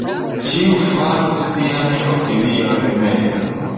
Ĉiu faru sian opinion mem.